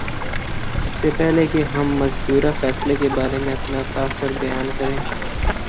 اس سے پہلے کہ ہم مذکورہ فیصلے کے بارے میں اپنا تاثر بیان کریں